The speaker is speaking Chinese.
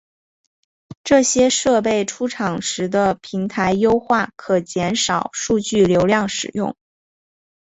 这些设备出厂时的平台优化可减少数据流量使用。